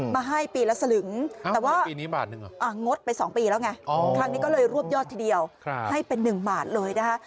มาให้ปีละสลึงแต่ว่าปีนี้งดไป๒ปีแล้วไงครั้งนี้ก็เลยรวบยอดทีเดียวให้เป็น๑บาทเลยนะคะ